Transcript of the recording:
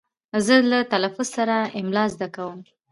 زه له تلفظ سره املا زده کوم.